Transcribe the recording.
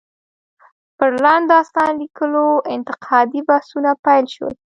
پر لنډ داستان ليکلو انتقادي بحثونه پيل شول.